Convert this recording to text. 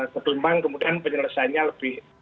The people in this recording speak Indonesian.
kedumpang kemudian penyelesaiannya lebih